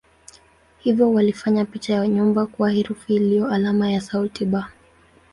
Hivyo walifanya picha ya nyumba kuwa herufi iliyo alama ya sauti "b".